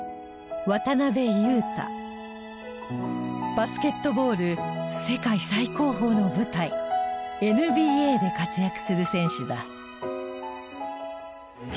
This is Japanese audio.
バスケットボール世界最高峰の舞台ＮＢＡで活躍する選手だ。